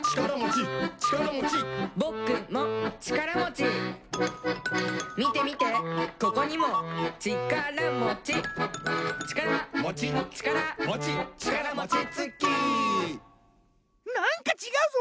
「ぼくもちからもち」「みてみてここにもちからもち」「ちから」「もち」「ちから」「もち」「ちからもちつき」なんかちがうぞ！